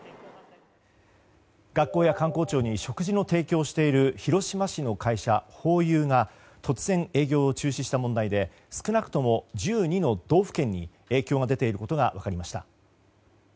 学校や官公庁に食事の提供をしている広島市の会社、ホーユーが突然、営業を中止した問題で少なくとも１２の道府県に影響が出ていることが分かりました。